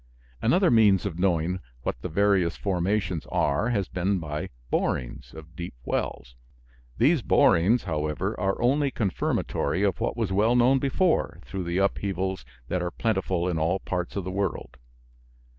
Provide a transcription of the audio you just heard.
Another means of knowing what the various formations are has been by borings of deep wells. These borings, however, are only confirmatory of what was well known before through the upheavals that are plentiful in all parts of the world.